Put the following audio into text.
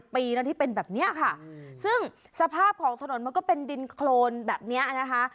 ปีนะที่เป็นแบบนี้ค่ะซึ่งสภาพของถนนมันก็เป็นดินโครนแบบนี้นะคะ